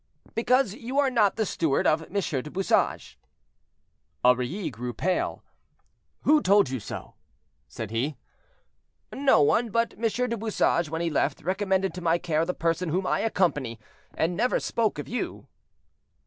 "Because you are not the steward of M. du Bouchage." Aurilly grew pale. "Who told you so?" said he. "No one; but M. du Bouchage, when he left, recommended to my care the person whom I accompany, and never spoke of you."